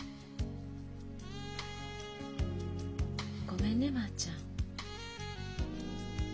ごめんねまあちゃん。